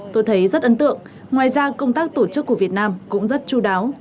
tôi thấy rất ấn tượng ngoài ra công tác tổ chức của việt nam cũng rất chú đáo